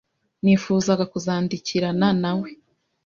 Nifuzaga kuzandikirana na we